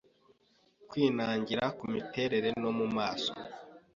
Kwinangira kumiterere no mumaso